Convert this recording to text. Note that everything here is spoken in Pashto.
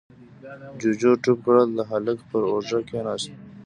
جُوجُو ټوپ کړل، د هلک پر اوږه کېناست: